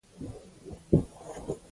بله ورځ يوه ښځه له خرې ولوېده